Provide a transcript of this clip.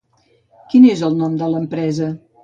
Quin és el nom de l'empresa?